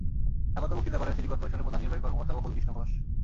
স্বাগত বক্তৃতা করেন সিটি করপোরেশনের প্রধান নির্বাহী কর্মকর্তা গোকুল কৃষ্ণ ঘোষ।